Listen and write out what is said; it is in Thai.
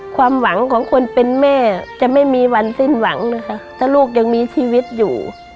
ความหวังของคนเป็นแม่จะไม่มีวันสิ้นหวังนะคะถ้าลูกยังมีชีวิตอยู่